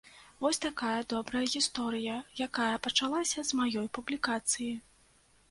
Вось такая добрая гісторыя, якая пачалася з маёй публікацыі.